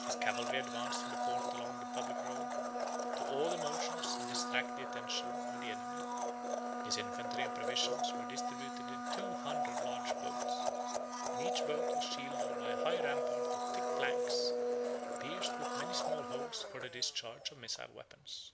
His cavalry advanced from the port along the public road, to awe the motions, and distract the attention of the enemy. His infantry and provisions were distributed in two hundred large boats; and each boat was shielded by a high rampart of thick planks, pierced with many small holes for the discharge of missile weapons.